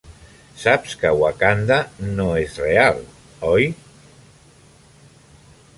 Saps que Wakanda no és real, oi?